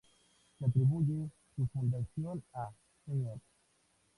Se atribuye su fundación a Sr.